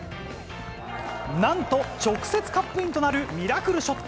なんと直接カップインとなるミラクルショット。